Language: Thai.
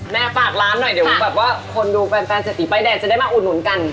ฝากร้านหน่อยเดี๋ยวแบบว่าคนดูแฟนเศรษฐีป้ายแดงจะได้มาอุดหนุนกัน